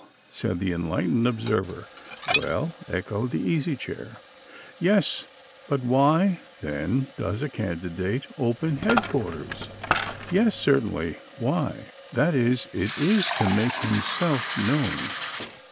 said the Enlightened Observer. "Well?" echoed the Easy Chair. "Yes, but why, then, does a candidate open headquarters?" "Yes, certainly. Why that is it is to make himself known."